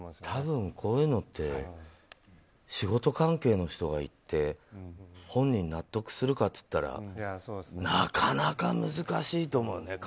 多分、こういうのって仕事関係の人が言って本人が納得するかっていったらなかなか難しいと思うよね。